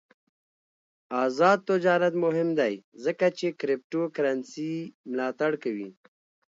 آزاد تجارت مهم دی ځکه چې کریپټو کرنسي ملاتړ کوي.